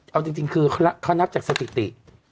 เอาจริงคือเขานับจากสถิติ